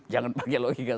jangan pakai logika